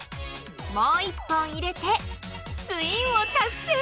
もう１本入れてツインを達成！